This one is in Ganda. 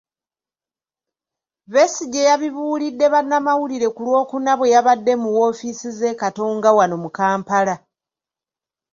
Besigye yabibuulidde bannamawulire ku Lwokuna bwe yabadde ku woofiisi z'e Katonga wano mu Kampala.